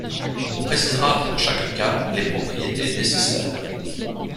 On précisera pour chaque cas les propriétés nécessaires.